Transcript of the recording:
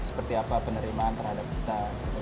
seperti apa penerimaan terhadap kita